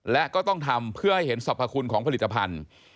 และก็ต้องทำเพื่อให้เห็นสรรพคุณของผลิตภัณฑ์